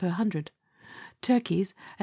per hundred. Turkeys, at 3s.